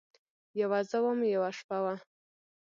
یوه زه وم، یوه شپه وه